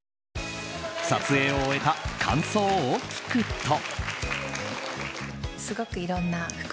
撮影を終えた感想を聞くと。